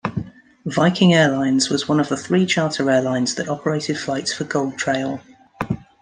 Viking Airlines was one of the three charter airlines that operated flights for Goldtrail.